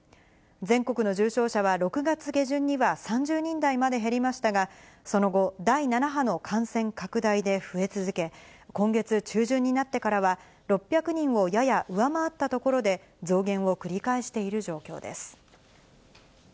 全国の重症者は６月下旬には３０人台まで減りましたが、その後、第７波の感染拡大で増え続け、今月中旬になってからは、６００人をやや上回ったところで、増減を繰り返している状況です。